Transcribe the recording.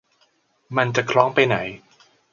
มันจะคล้องไปไหน